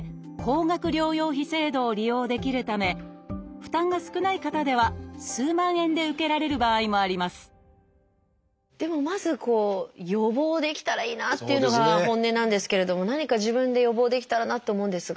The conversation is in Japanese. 負担が少ない方では数万円で受けられる場合もありますでもまず予防できたらいいなっていうのが本音なんですけれども何か自分で予防できたらなって思うんですが。